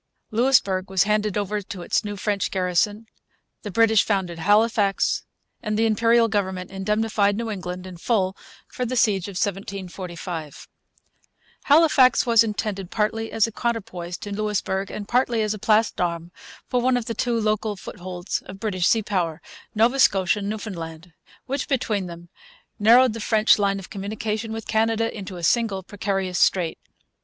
Louisbourg was handed over to its new French garrison; the British founded Halifax; and the Imperial government indemnified New England in full for the siege of 1745. Halifax was intended partly as a counterpoise to Louisbourg, and partly as a place d'armes for one of the two local footholds of British sea power, Nova Scotia and Newfoundland, which, between them, narrowed the French line of communication with Canada into a single precarious strait.